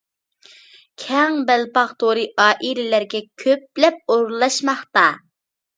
كەڭ بەلباغ تورى ئائىلىلەرگە كۆپلەپ ئورۇنلاشماقتا.